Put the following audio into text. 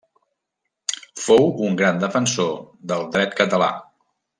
Fou un gran defensor del dret català.